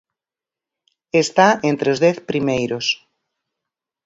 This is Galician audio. Está entre os dez primeiros.